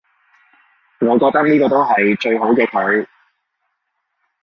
我覺得呢個都係最好嘅佢